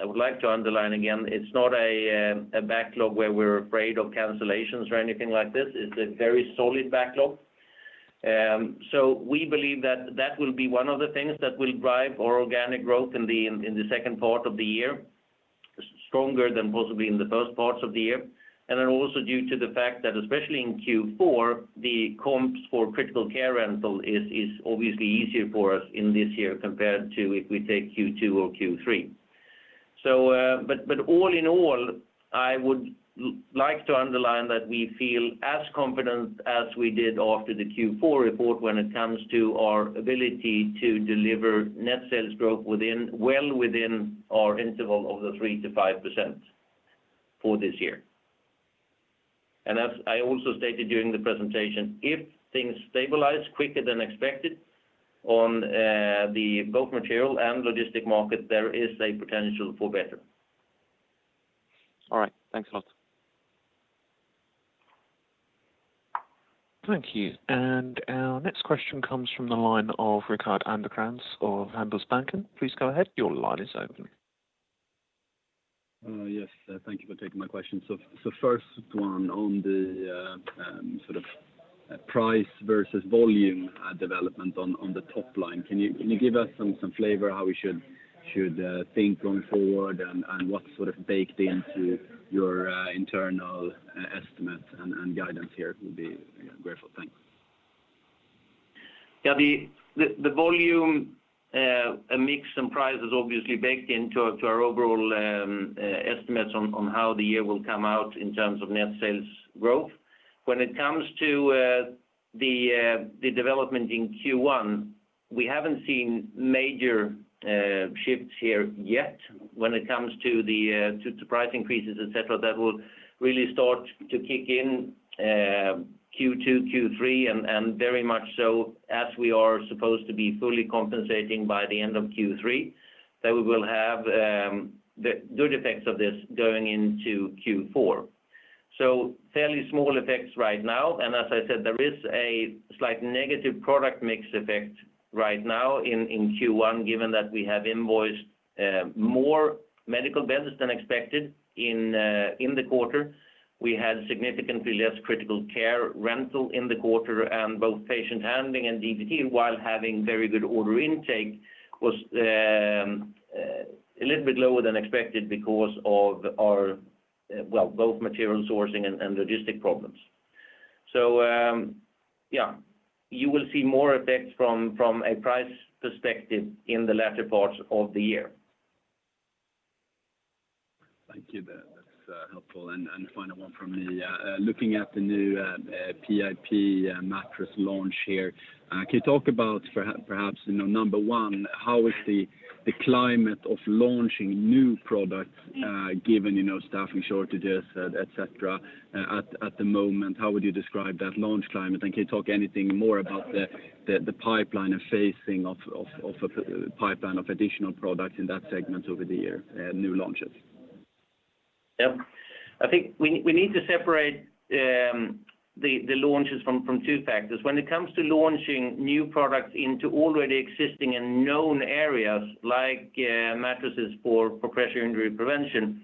I would like to underline again, it's not a backlog where we're afraid of cancellations or anything like this. It's a very solid backlog. We believe that will be one of the things that will drive our organic growth in the second part of the year, stronger than possibly in the first parts of the year. Then also due to the fact that, especially in Q4, the comps for critical care rental is obviously easier for us in this year compared to if we take Q2 or Q3. But all in all, I would like to underline that we feel as confident as we did after the Q4 report when it comes to our ability to deliver net sales growth within, well within our interval of the 3%-5% for this year. As I also stated during the presentation, if things stabilize quicker than expected on the materials and logistics market, there is a potential for better. All right. Thanks a lot. Thank you. Our next question comes from the line of Rickard Anderkrans of Handelsbanken. Please go ahead. Your line is open. Yes. Thank you for taking my question. First one on the sort of price versus volume development on the top line. Can you give us some flavor how we should think going forward and what sort of baked into your internal estimates and guidance here? Would be grateful. Thanks. Yeah. The volume, mix and price is obviously baked into our overall estimates on how the year will come out in terms of net sales growth. When it comes to the development in Q1, we haven't seen major shifts here yet when it comes to the price increases, et cetera, that will really start to kick in Q2, Q3, and very much so as we are supposed to be fully compensating by the end of Q3, that we will have the good effects of this going into Q4. Fairly small effects right now. As I said, there is a slight negative product mix effect right now in Q1, given that we have invoiced more medical beds than expected in the quarter. We had significantly less critical care rental in the quarter, and both patient handling and DVT, while having very good order intake, was a little bit lower than expected because of our both material sourcing and logistics problems. You will see more effects from a price perspective in the latter parts of the year. Thank you. That's helpful. Final one from me. Looking at the new PIP mattress launch here, can you talk about perhaps, you know, number one, how is the climate of launching new products, given, you know, staffing shortages, et cetera, at the moment? How would you describe that launch climate? Can you talk anything more about the pipeline and phasing of a pipeline of additional products in that segment over the year, new launches? Yep. I think we need to separate the launches from two factors. When it comes to launching new products into already existing and known areas, like mattresses for pressure injury prevention,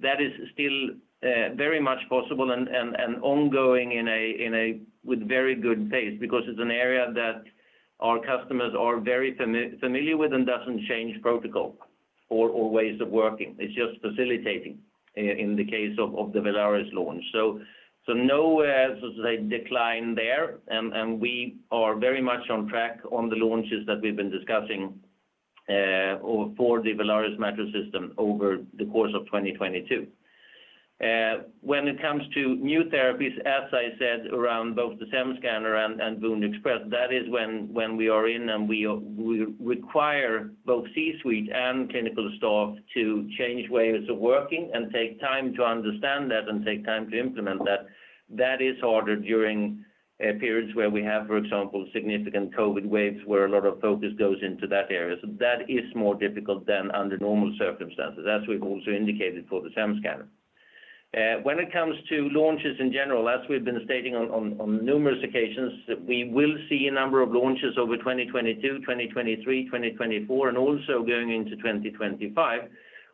that is still very much possible and ongoing with very good pace because it's an area that our customers are very familiar with and doesn't change protocol or ways of working. It's just facilitating in the case of the Velaris launch. So no so to say decline there, and we are very much on track on the launches that we've been discussing or for the Velaris mattress system over the course of 2022. When it comes to new therapies, as I said, around both the SEM Scanner and WoundExpress, that is when we require both C-suite and clinical staff to change ways of working and take time to understand that and take time to implement that. That is harder during periods where we have, for example, significant COVID waves where a lot of focus goes into that area. That is more difficult than under normal circumstances. That's what we've also indicated for the SEM Scanner. When it comes to launches in general, as we've been stating on numerous occasions, that we will see a number of launches over 2022, 2023, 2024, and also going into 2025,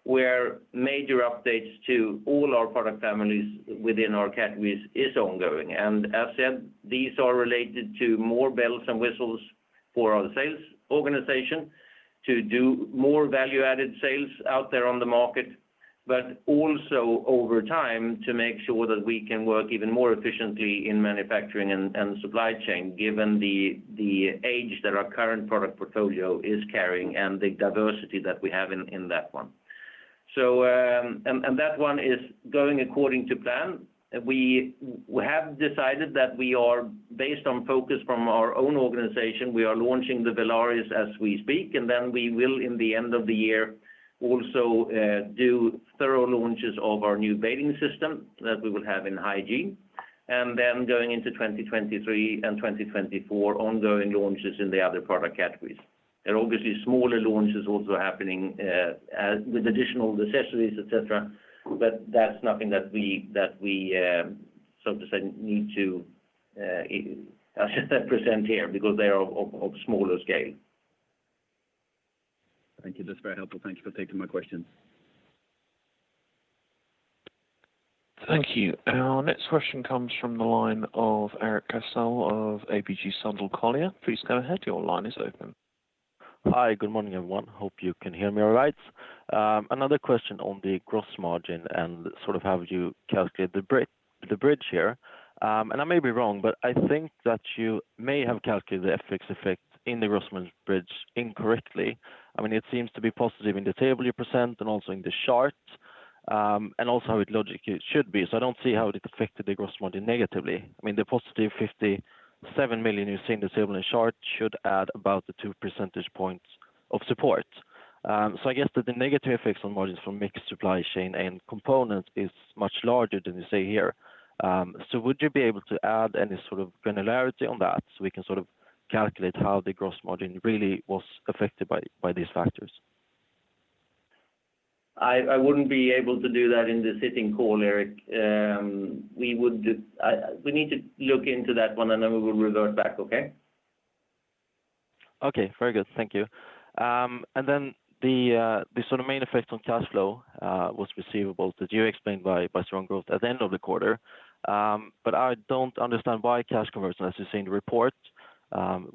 where major updates to all our product families within our categories is ongoing. As said, these are related to more bells and whistles for our sales organization to do more value-added sales out there on the market, but also over time to make sure that we can work even more efficiently in manufacturing and supply chain, given the age that our current product portfolio is carrying and the diversity that we have in that one. That one is going according to plan. We have decided that we are based on focus from our own organization, we are launching the Velaris as we speak, and then we will, in the end of the year, also do thorough launches of our new bathing system that we will have in hygiene. Then going into 2023 and 2024, ongoing launches in the other product categories. There are obviously smaller launches also happening with additional accessories, et cetera, but that's nothing that we so to say need to, I should say, present here because they are of smaller scale. Thank you. That's very helpful. Thanks for taking my question. Thank you. Our next question comes from the line of Erik Cassel of ABG Sundal Collier. Please go ahead. Your line is open. Hi. Good morning, everyone. Hope you can hear me all right. Another question on the gross margin and sort of how would you calculate the bridge here. I may be wrong, but I think that you may have calculated the FX effect in the gross margin bridge incorrectly. I mean, it seems to be positive in the table you present and also in the chart, and also how it logically should be. I don't see how it affected the gross margin negatively. I mean, the positive 57 million you've seen in the table and chart should add about two percentage points of support. I guess that the negative effects on margins from mix, supply chain and components is much larger than you say here. Would you be able to add any sort of granularity on that so we can sort of calculate how the gross margin really was affected by these factors? I wouldn't be able to do that in this sitting call, Erik. We need to look into that one, and then we will revert back, okay? Okay, very good. Thank you. Then the sort of main effect on cash flow was receivables that you explained by strong growth at the end of the quarter. I don't understand why cash conversion, as you see in the report,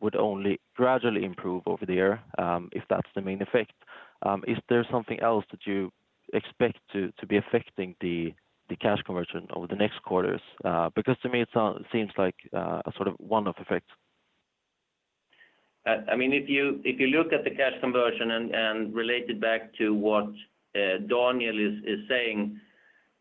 would only gradually improve over the year, if that's the main effect. Is there something else that you expect to be affecting the cash conversion over the next quarters? Because to me, it seems like a sort of one-off effect. I mean, if you look at the cash conversion and relate it back to what Daniel is saying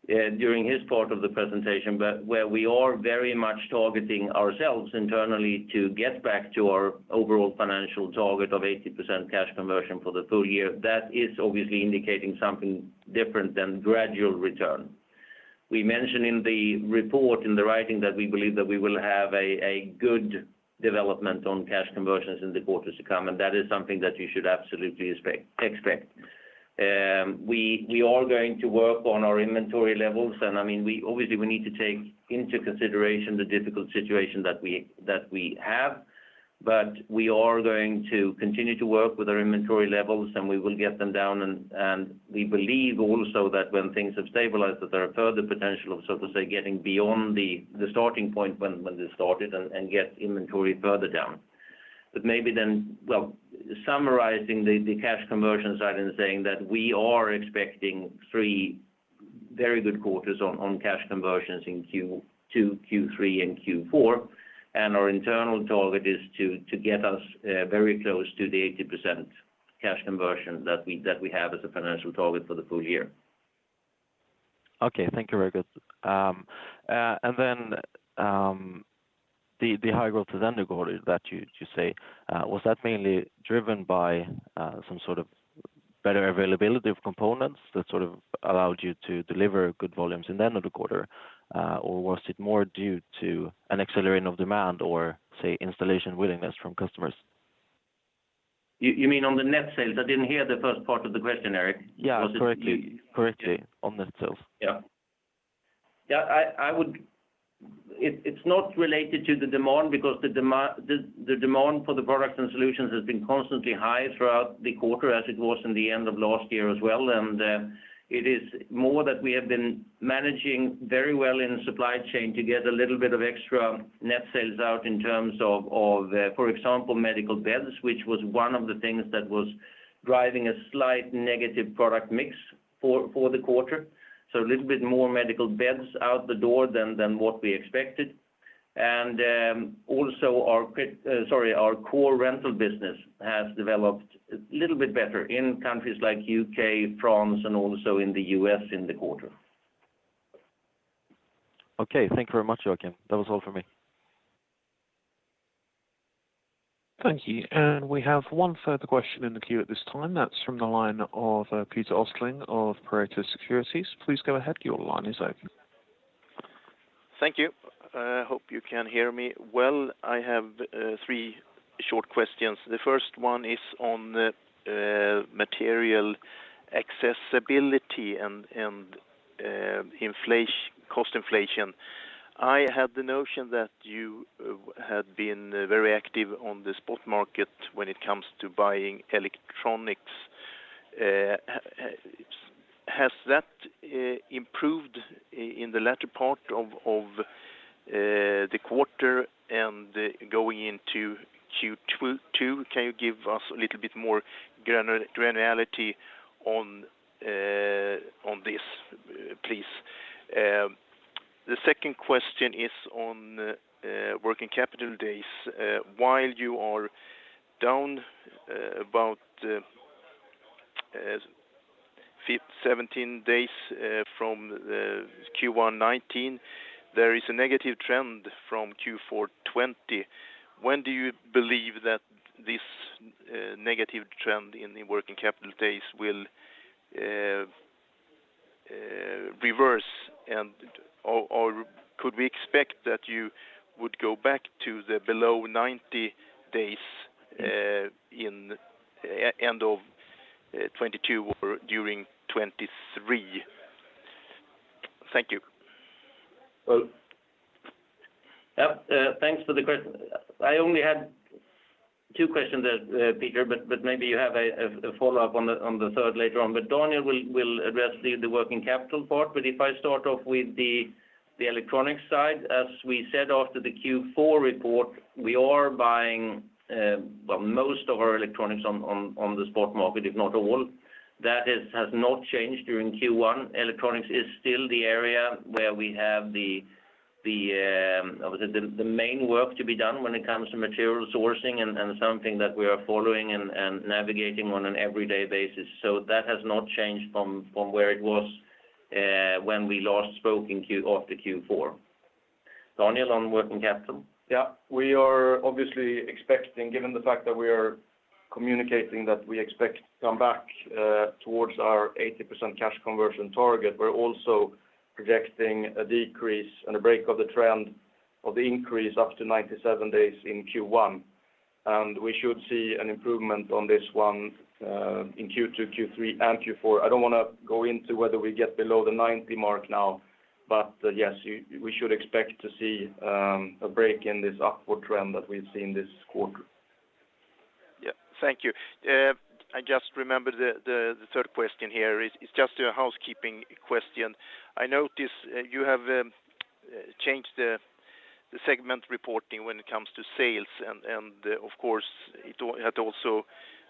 during his part of the presentation, but where we are very much targeting ourselves internally to get back to our overall financial target of 80% cash conversion for the full year, that is obviously indicating something different than gradual return. We mentioned in the report in the writing that we believe that we will have a good development on cash conversions in the quarters to come, and that is something that you should absolutely expect. We are going to work on our inventory levels. I mean, we obviously need to take into consideration the difficult situation that we have, but we are going to continue to work with our inventory levels, and we will get them down. We believe also that when things have stabilized, that there are further potential of so to say getting beyond the starting point when this started and get inventory further down. Maybe then, well, summarizing the cash conversion side and saying that we are expecting three very good quarters on cash conversions in Q2, Q3, and Q4, and our internal target is to get us very close to the 80% cash conversion that we have as a financial target for the full year. Okay. Thank you. Very good. The high growth to the end of quarter that you just said was that mainly driven by some sort of better availability of components that sort of allowed you to deliver good volumes in the end of the quarter? Or was it more due to an acceleration of demand or, say, installation willingness from customers? You mean on the net sales? I didn't hear the first part of the question, Erik. Yeah, correctly. Correctly on net sales. Yeah. Yeah. It's not related to the demand because the demand for the products and solutions has been constantly high throughout the quarter as it was in the end of last year as well. It is more that we have been managing very well in supply chain to get a little bit of extra net sales out in terms of, for example, medical beds, which was one of the things that was driving a slight negative product mix for the quarter. A little bit more medical beds out the door than what we expected. Also our core rental business has developed a little bit better in countries like U.K., France, and also in the U.S. in the quarter. Okay. Thank you very much, Joacim. That was all for me. Thank you. We have one further question in the queue at this time. That's from the line of Peter Östling of Pareto Securities. Please go ahead. Your line is open. Thank you. Hope you can hear me well. I have three short questions. The first one is on material accessibility and cost inflation. I had the notion that you had been very active on the spot market when it comes to buying electronics. Has that improved in the latter part of the quarter and going into Q2? Can you give us a little bit more granularity on this, please? The second question is on working capital days. While you are down about 17 days from Q1 2019, there is a negative trend from Q4 2020. When do you believe that this negative trend in the working capital days will reverse? Could we expect that you would go back to the below 90 days in end of 2022 or during 2023? Thank you. Well, yeah, thanks for the question. I only had two questions there, Peter, but maybe you have a follow-up on the third later on. Daniel will address the working capital part. If I start off with the electronics side, as we said after the Q4 report, we are buying, well, most of our electronics on the spot market, if not all. That has not changed during Q1. Electronics is still the area where we have the main work to be done when it comes to material sourcing and something that we are following and navigating on an everyday basis. That has not changed from where it was when we last spoke after Q4. Daniel, on working capital. Yeah. We are obviously expecting, given the fact that we are communicating that we expect to come back towards our 80% cash conversion target. We're also projecting a decrease and a break of the trend of the increase up to 97 days in Q1. We should see an improvement on this one in Q2, Q3, and Q4. I don't wanna go into whether we get below the 90 mark now, but yes, we should expect to see a break in this upward trend that we've seen this quarter. Yeah. Thank you. I just remembered the third question here. It's just a housekeeping question. I notice you have changed the segment reporting when it comes to sales, and of course, it also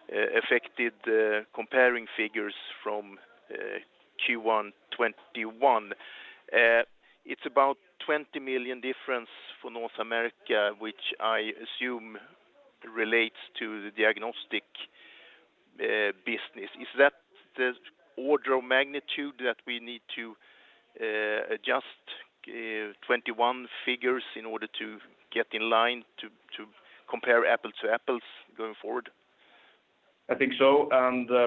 affected the comparing figures from Q1 2021. It's about 20 million difference for North America, which I assume relates to the diagnostics business. Is that the order of magnitude that we need to adjust 2021 figures in order to get in line to compare apples to apples going forward? I think so.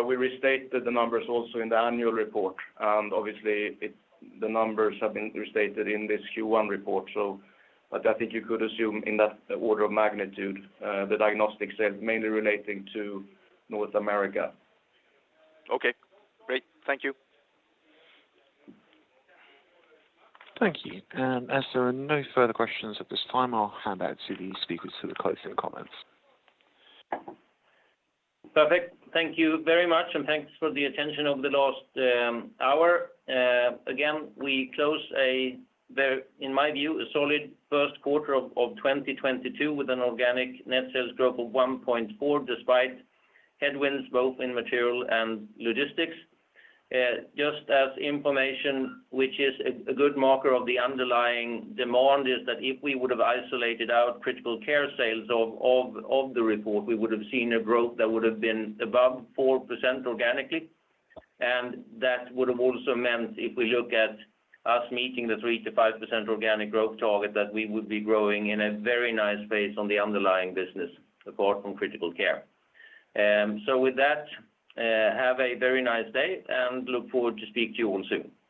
We restated the numbers also in the annual report. Obviously, the numbers have been restated in this Q1 report. But I think you could assume in that order of magnitude, the diagnostics sales mainly relating to North America. Okay, great. Thank you. Thank you. As there are no further questions at this time, I'll hand back to the speakers for the closing comments. Perfect. Thank you very much, and thanks for the attention over the last hour. Again, we close a very, in my view, a solid first quarter of 2022 with an organic net sales growth of 1.4%, despite headwinds both in material and logistics. Just as information, which is a good marker of the underlying demand, is that if we would have isolated our critical care sales of the report, we would have seen a growth that would have been above 4% organically. That would have also meant if we look at us meeting the 3%-5% organic growth target, that we would be growing in a very nice phase on the underlying business apart from critical care. With that, have a very nice day and look forward to speak to you all soon.